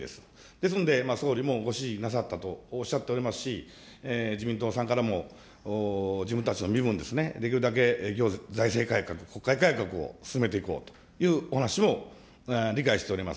ですので、総理もご指示なさったとおっしゃっておりますし、自民党さんからも自分たちの身分ですね、できるだけ行財政改革、国会改革を進めていこうというお話も理解しております。